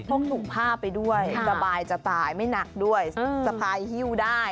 กถุงผ้าไปด้วยสบายจะตายไม่หนักด้วยสะพายฮิ้วได้